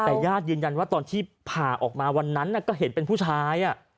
แต่ญาติยืนยันว่าตอนที่ผ่าออกมาวันนั้นก็เห็นเป็นผู้ชาย